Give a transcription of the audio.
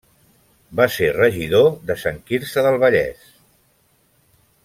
Va ser regidor de Sant Quirze del Vallès.